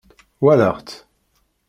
Wallaɣ-tt